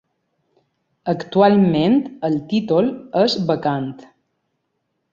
Actualment el títol és vacant.